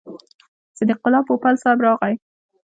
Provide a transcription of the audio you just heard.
صدیق الله پوپل صاحب راغی.